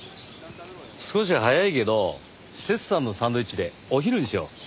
少し早いけどセツさんのサンドイッチでお昼にしよう。